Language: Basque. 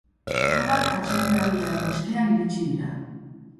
Golak atsedenaldiaren ostean iritsi dira.